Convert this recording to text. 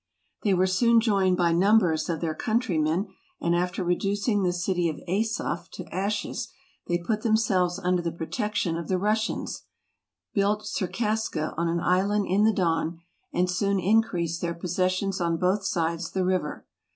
They were soon joined by numbers of their countrymen, and after reducing the city of Asoph to ashes, they put themselves under the protection of the Rus¬ sians, built Circaska on an island in the Don, and soon increased their possessions on both sides the river.